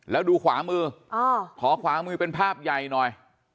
แล้วดูขวามือขอขวามือเป็นภาพใหญ่หน่อย